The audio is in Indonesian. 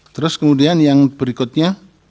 terus kemudian yang berikutnya